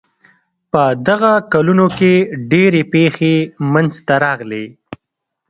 په دغو کلونو کې ډېرې پېښې منځته راغلې.